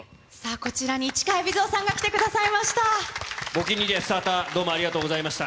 こちらに市川海老蔵さんが来てくださいました。